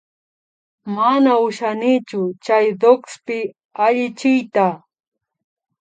Mana ushanichu chay DOCSpi allichiyta